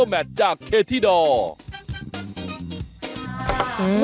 นี่อ่ะสักครู่เดียวค่ะ